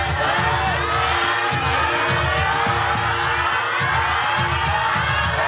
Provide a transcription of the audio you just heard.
๒ค่ะ